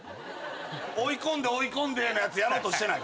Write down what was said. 追い込んで追い込んでのやつやろうとしてない？